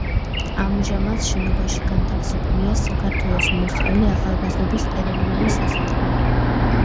ამჟამად, შენობაში განთავსებულია საქართველოს მოსწავლე-ახალგაზრდობის ეროვნული სასახლე.